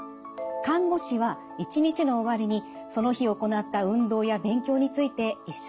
看護師は一日の終わりにその日行った運動や勉強について一緒に振り返ってくれました。